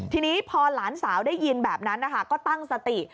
ทีนี้พอหลานสาวได้ยินแบบนั้นนะคะก็ตั้งสติ